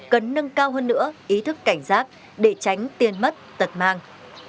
cần nâng cao hơn nữa ý thức cảnh giác để tránh tiền mất tật mang